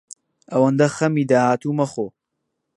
ئەوەندە خەمی داهاتوو مەخۆ.